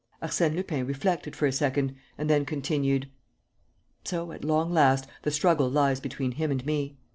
Arsène Lupin reflected for a second and then continued: "So, at long last, the struggle lies between him and me.